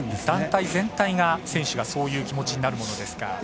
団体全体が、選手はそういう気持ちになるものですか。